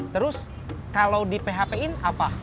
terus kalau di php in apa